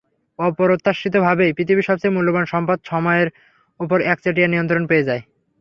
অপ্রত্যাশিতভাবেই, পৃথিবীর সবচেয়ে মূল্যবান সম্পদ সময়ের ওপর একচেটিয়া নিয়ন্ত্রণ পেয়ে যায়।